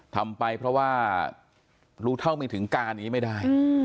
ทำไปเพราะว่ารู้เท่าไม่ถึงการอย่างนี้ไม่ได้